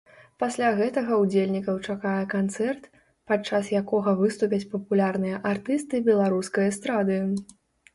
Пасля гэтага ўдзельнікаў чакае канцэрт, падчас якога выступяць папулярныя артысты беларускай эстрады.